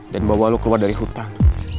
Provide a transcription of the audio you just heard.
dan bawa lo keluar dari hutan